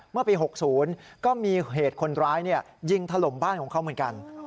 เมื่อปี๖๐ก็มีเหตุคนร้ายยิงถล่มบ้านของเขาเหมือนกัน